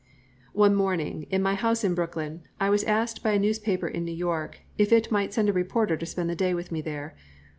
One morning, in my house in Brooklyn, I was asked by a newspaper in New York if it might send a reporter to spend the day with me there.